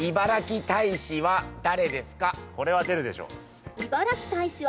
これは出るでしょ。